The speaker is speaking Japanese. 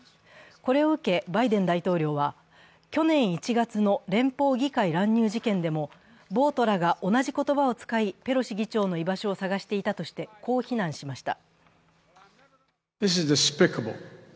これを受けバイデン大統領は、去年１月の連邦議会乱入事件でも暴徒らが同じ言葉を使いペロシ議長の居場所を探していたとしてこう非難しました。